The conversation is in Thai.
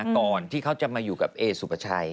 ก่อนที่เขาจะมาอยู่กับเอสุปชัย